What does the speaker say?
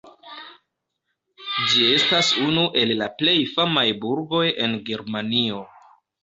Ĝi estas unu el la plej famaj burgoj en Germanio.